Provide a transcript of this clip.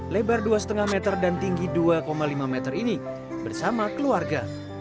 lebar dua lima meter dan tinggi dua lima meter ini bersama keluarga